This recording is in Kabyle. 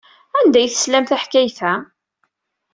Anda ay teslam taḥkayt-a?